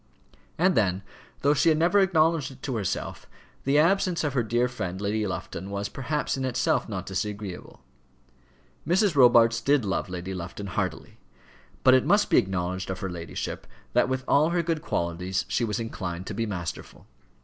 And then, though she had never acknowledged it to herself, the absence of her dear friend Lady Lufton was perhaps in itself not disagreeable. Mrs. Robarts did love Lady Lufton heartily; but it must be acknowledged of her ladyship, that, with all her good qualities, she was inclined to be masterful.